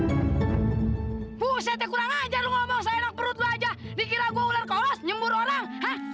dikira gue ular kolos nyembur orang hah